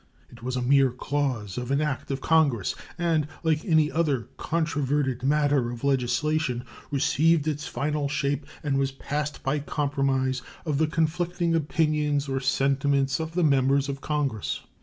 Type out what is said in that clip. It was a mere clause of an act of Congress, and, like any other controverted matter of legislation, received its final shape and was passed by compromise of the conflicting opinions or sentiments of the members of Congress.